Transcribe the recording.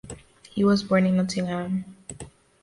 He was born in Nottingham.